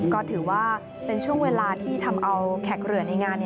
ก็ถือว่าเป็นช่วงเวลาที่ทำเอาแขกเหลือในงาน